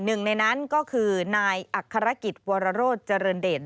หนึ่งในนั้นก็คือนายอัครกิจวรโรธเจริญเดช